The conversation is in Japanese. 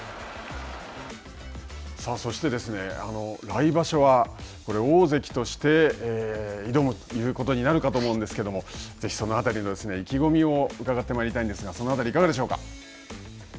そして、来場所は大関として挑むということになるかと思うんですけどもぜひ、その辺りの意気込みを伺ってまいりたいんですがその辺り、いかがでしょうか。